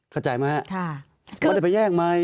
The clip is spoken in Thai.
เข้าใจไหมครับไม่ได้ไปแย่งไมค์